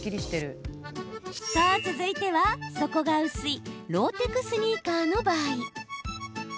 さあ続いては、底が薄いローテクスニーカーの場合。